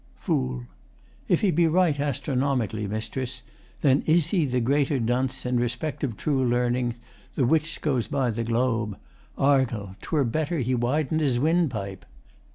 ] FOOL If he be right astronomically, Mistress, then is he the greater dunce in respect of true learning, the which goes by the globe. Argal, 'twere better he widened his wind pipe.